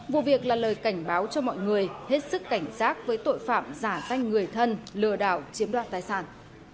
vụ việc là lời cảnh báo cho mọi người hết sức cảnh giác với tội phạm giả danh người thân lừa đảo chiếm đoạt tài sản